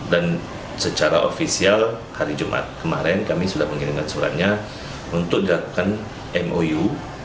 dan secara ofisial hari jumat kemarin kami sudah mengirimkan suratnya untuk dilakukan mou